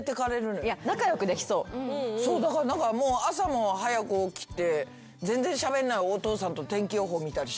そうだから朝も早く起きて全然しゃべんないお父さんと天気予報見たりして。